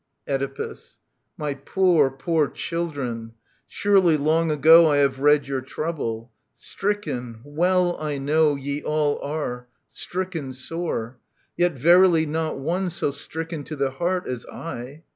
Oedipus. My poor, poor children I Surely long ago I have read your trouble. Stricken, well I know. Ye all are, stricken sore : yet verily Not one so stricken to the heart as I.